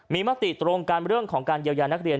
มีมติตรงกันเรื่องของการเยียวยานักเรียน